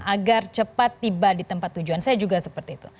agar cepat tiba di tempat tujuan saya juga seperti itu